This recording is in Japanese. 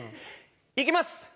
いきます。